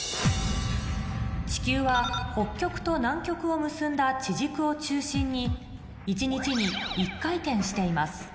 地球は北極と南極を結んだ地軸を中心に一日に１回転しています